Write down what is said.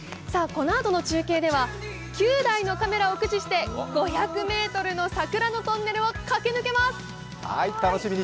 このあとの中継では９台のカメラを駆使して５００ｍの桜のトンネルを駆け抜けます。